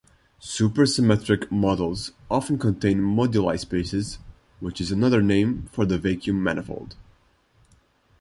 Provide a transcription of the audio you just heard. Supersymmetric models often contain moduli spaces which is another name for the vacuum manifold.